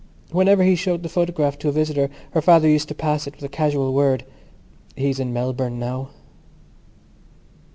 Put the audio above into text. Whenever he showed the photograph to a visitor her father used to pass it with a casual word: "He is in Melbourne now."